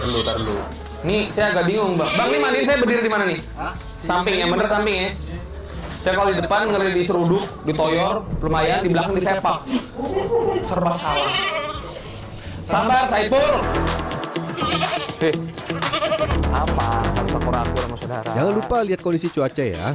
jangan lupa lihat kondisi cuaca ya